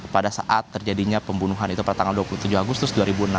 pada saat terjadinya pembunuhan itu pada tanggal dua puluh tujuh agustus dua ribu enam belas